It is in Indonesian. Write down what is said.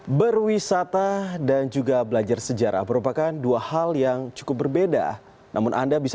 hai berwisata dan juga belajar sejarah merupakan dua hal yang cukup berbeda namun anda bisa